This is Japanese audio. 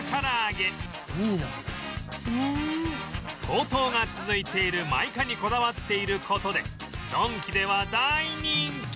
高騰が続いている真イカにこだわっている事でドンキでは大人気